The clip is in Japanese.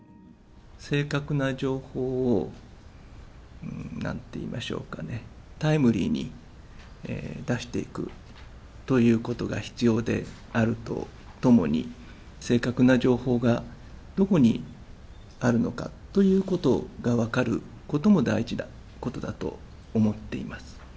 正確な情報を、なんて言いましょうかね、タイムリーに出していくということが必要であるとともに、正確な情報がどこにあるのかということが分かることも大事なこと